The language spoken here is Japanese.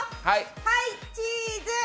はい、チーズ！